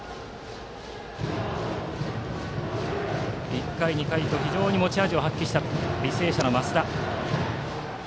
１回、２回と非常に持ち味を発揮した履正社の増田。